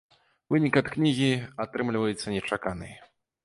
Вынік ад кнігі атрымліваецца нечаканы.